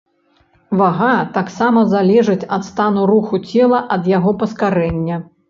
Вага таксама залежыць ад стану руху цела ад яго паскарэння.